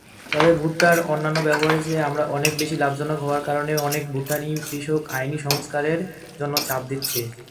তবে ভুট্টার অন্যান্য ব্যবহারের চেয়ে আরা অনেক বেশি লাভজনক হওয়ার কারণে অনেক ভুটানি কৃষক আইনি সংস্কারের জন্য চাপ দিচ্ছে।